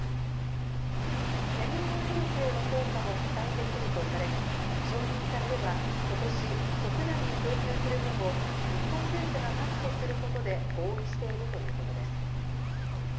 変異ウイルスへの効果も期待できるとされ、承認されればことし、国内に供給する分を日本政府が確保することで合意しているということです。